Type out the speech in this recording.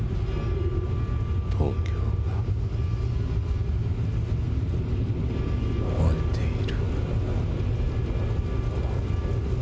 東京が燃えている。